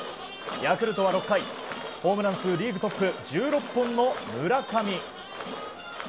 ヤクルトは６回ホームラン数リーグトップ１６本の村上。